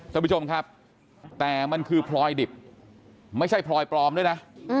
ท่านผู้ชมครับแต่มันคือพลอยดิบไม่ใช่พลอยปลอมด้วยนะ